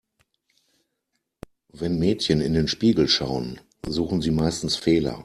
Wenn Mädchen in den Spiegel schauen, suchen sie meistens Fehler.